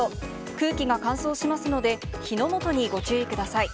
空気が乾燥しますので、火の元にご注意ください。